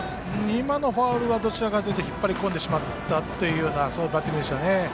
今のファウルはどちらかというと引っ張り込んでしまったというバッティングでしたね。